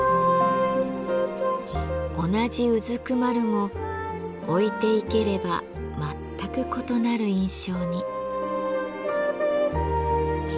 同じ蹲も置いて生ければ全く異なる印象に。